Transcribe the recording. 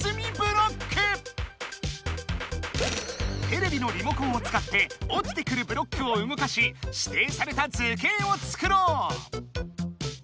テレビのリモコンを使っておちてくるブロックをうごかししていされた図形を作ろう！